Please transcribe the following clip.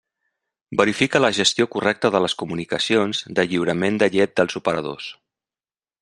Verifica la gestió correcta de les comunicacions de lliuraments de llet dels operadors.